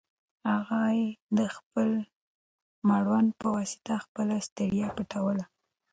هغې د خپل مړوند په واسطه خپله ستړیا پټوله.